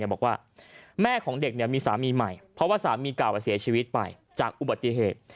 บอกว่าแม่ของเด็กมีสามีใหม่เพราะว่าสามีเก่าเสียชีวิตไปจากอุบัติเหตุ